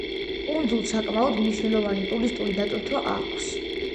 კუნძულს საკმაოდ მნიშვნელოვანი ტურისტული დატვირთვა აქვს.